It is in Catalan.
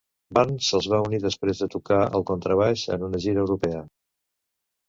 Burns se'ls va unir després de tocar el contrabaix en una gira europea.